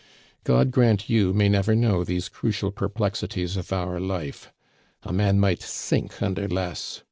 "God grant you may never know these crucial perplexities of our life. A man might sink under less!